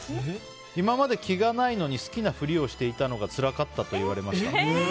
今まで気がないのに好きな振りをしていたのがつらかったと言われました。